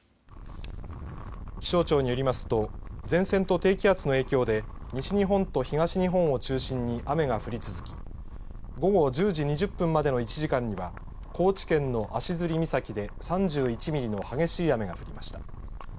気象庁によりますと前線と低気圧の影響で西日本と東日本を中心に雨が降り続き午後１０時２０分までの１時間には高知県の足摺岬で３１ミリの激しい雨が降りました。